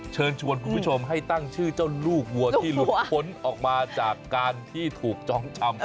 เชิญชวนคุณผู้ชมให้ตั้งชื่อเจ้าลูกวัวที่หลุดพ้นออกมาจากการที่ถูกจ้องจำ